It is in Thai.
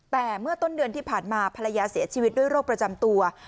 แต่เมื่อต้นเดือนที่ผ่านมาภรรยาเสียชีวิตด้วยโรคประจำตัว